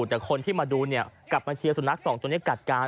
แต่คนที่มาดูเนี่ยกลับมาเชียร์สุนัขสองตัวนี้กัดกัน